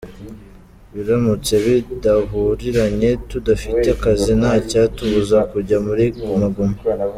Biramutse bidahuriranye tudafite akazi ntacyatubuza kujya muri Guma Guma.